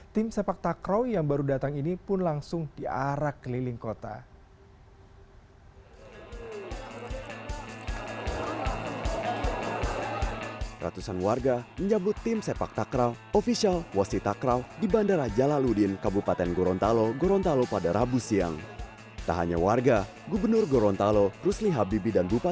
tim sepak takraw yang baru datang ini pun langsung diarak keliling kota